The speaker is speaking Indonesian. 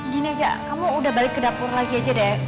gini aja kamu udah balik ke dapur lagi aja deh